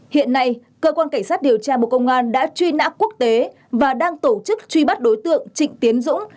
hiện nay cơ quan cảnh sát điều tra bộ công an đã truy nã quốc tế và đang tổ chức truy bắt đối tượng trịnh tiến dũng